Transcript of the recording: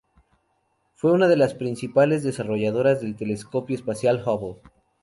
Fue una de las principales desarrolladoras del Telescopio espacial Hubble.